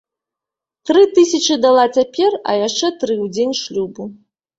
Тры тысячы дала цяпер, а яшчэ тры ў дзень шлюбу.